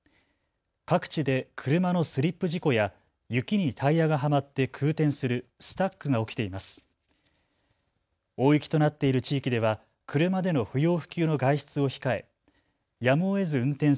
各地で車のスリップ事故や雪にタイヤがはまって空転するスタックが起きています。